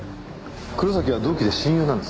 黒崎は同期で親友なんです。